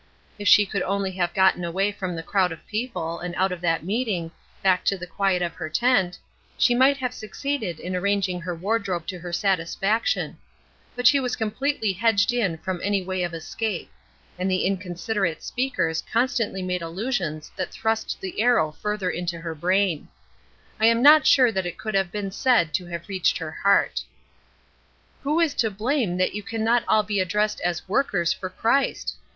If she could only have gotten away from the crowd of people and out of that meeting back to the quiet of her tent, she might have succeeded in arranging her wardrobe to her satisfaction; but she was completely hedged in from any way of escape, and the inconsiderate speakers constantly made allusions that thrust the arrow further into her brain; I am not sure that it could have been said to have reached her heart. "Who is to blame that you can not all be addressed as workers for Christ?